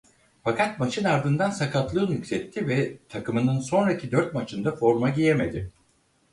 Fakat maçın ardından sakatlığı nüksetti ve takımının sonraki dört maçında forma giyemedi.